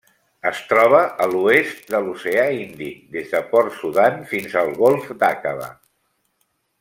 Es troba a l'oest de l'Oceà Índic: des de Port Sudan fins al Golf d'Aqaba.